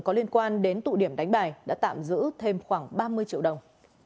có liên quan đến tụ điểm đánh bài đã tạm giữ thêm khoảng ba mươi triệu đồng